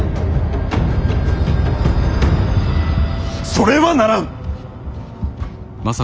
それはならん！